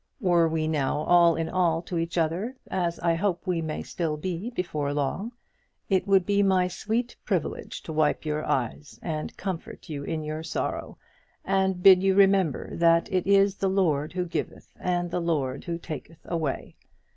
Were we now all in all to each other, as I hope we may still be before long, it would be my sweet privilege to wipe your eyes, and comfort you in your sorrow, and bid you remember that it is the Lord who giveth and the Lord who taketh away.